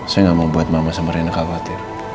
saya gak mau buat mama sama rena kabar